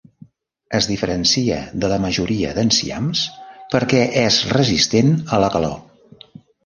Es diferencia de la majoria d'enciams perquè és resistent a la calor.